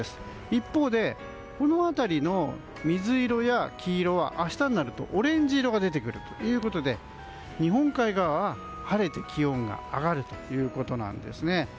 一方でこの辺りの水色や黄色は明日になるとオレンジ色が出てくるということで日本海側は晴れて気温が上がるということなんですね。